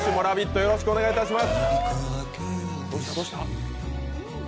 よろしくお願いします。